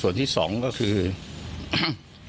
ส่วนที่สองก็คืออุณสมบัติรักษาต้องห้าม